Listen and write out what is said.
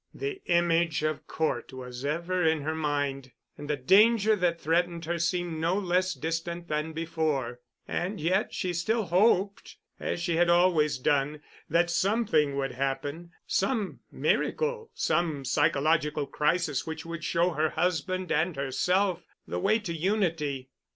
The image of Cort was ever in her mind, and the danger that threatened her seemed no less distant than before, and yet she still hoped, as she had always done, that something would happen—some miracle, some psychological crisis which would show her husband and herself the way to unity.